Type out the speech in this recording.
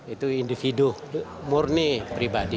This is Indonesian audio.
itu individu murni pribadi